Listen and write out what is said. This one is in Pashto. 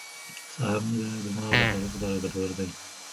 سهارنۍ د دماغ د فعالیت لپاره ګټوره ده.